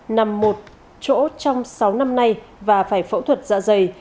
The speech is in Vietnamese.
nằm một chỗ trong sáu năm nay và phải phẫu thuật dạ dày